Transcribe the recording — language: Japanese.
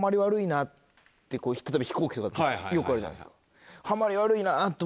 例えば飛行機とかよくあるじゃないですか。